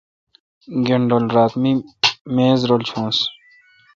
گانڈل رات می میز رل چونس۔